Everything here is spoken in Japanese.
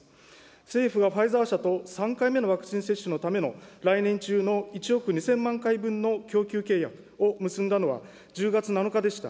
政府がファイザー社と３回目のワクチン接種のための来年中の１億２０００万回分の供給契約を結んだのは１０月７日でした。